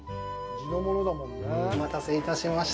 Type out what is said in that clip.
お待たせいたしました。